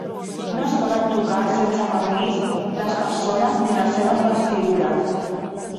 No es poden tocar sense permís les persones ni les seves vestidures.